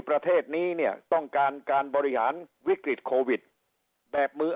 ประเทศนี้เนี่ยต้องการการบริหารวิกฤตโควิดแบบมือ